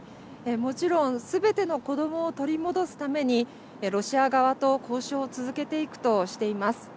もちろん、すべての子どもを取り戻すためにロシア側と交渉を続けていくとしています。